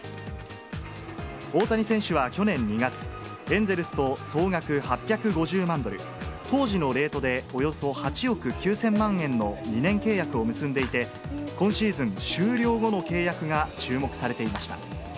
大谷選手は去年２月、エンゼルスと総額８５０万ドル、当時のレートでおよそ８億９０００万円の２年契約を結んでいて、今シーズン終了後の契約が注目されていました。